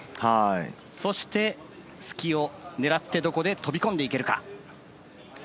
そして突きを狙ってどこで飛び込んでいけるか。